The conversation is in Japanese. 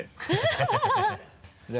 ハハハ